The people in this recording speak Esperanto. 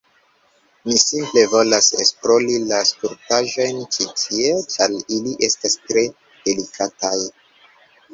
Mi simple volas esplori la skulptaĵojn ĉi tie ĉar ili estas tre delikataj